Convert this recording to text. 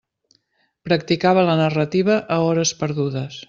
Practicava la narrativa a hores perdudes.